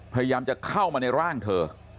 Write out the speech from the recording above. พยายามจะเข้ามาในร่างเธอ